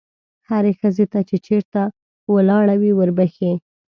هرې ښځې ته چې چېرته ولاړه وي وربښې.